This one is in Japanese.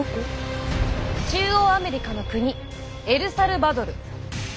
中央アメリカの国エルサルバドル。